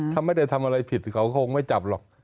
ถ้าไม่ได้ทำอะไรผิดเขาคงไม่จับหรอก